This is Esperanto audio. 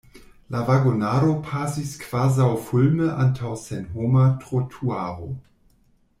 La vagonaro pasis kvazaŭfulme antaŭ senhoma trotuaro.